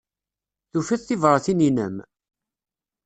Tufiḍ tibṛatin-inem?